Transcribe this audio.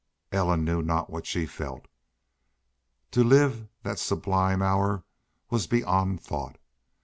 Ellen knew not what she felt. To live that sublime hour was beyond thought.